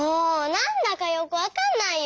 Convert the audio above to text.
なんだかよくわかんないよ！